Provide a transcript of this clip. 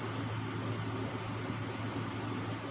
กันนะคะ